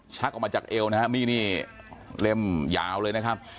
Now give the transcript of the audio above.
ออกมาจากเอวนะฮะมีดนี่เล่มยาวเลยนะครับ